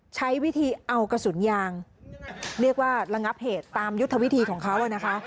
ใช้วิธีเอากระสุนยางเรียกว่าระงับเหตุตามยุทธวิธีของเขานะคะ